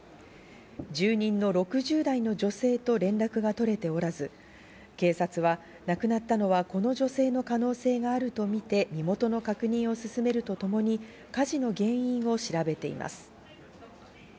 住人の６０代の女性と連絡が取れておらず、警察は亡くなったのはこの女性の可能性があるとみて身元の確認を進めるとともに、火事の原因を調べています。